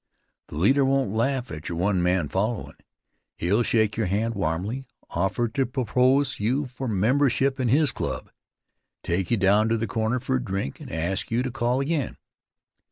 The leader won't laugh at your one man followin'. He'll shake your hand warmly, offer to propose you for membership in his club, take you down to the corner for a drink and ask you to call again.